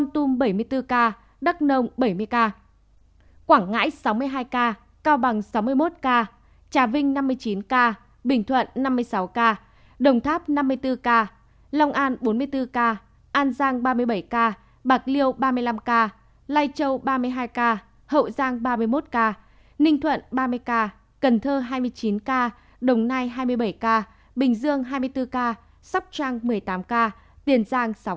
quảng ngãi sáu mươi hai ca cao bằng sáu mươi một ca trà vinh năm mươi chín ca bình thuận năm mươi sáu ca đồng tháp năm mươi bốn ca long an bốn mươi bốn ca an giang ba mươi bảy ca bạc liêu ba mươi năm ca lai châu ba mươi hai ca hậu giang ba mươi một ca ninh thuận ba mươi ca cần thơ hai mươi chín ca đồng nai hai mươi bảy ca bình dương hai mươi bốn ca sóc trang một mươi tám ca tiền giang sáu ca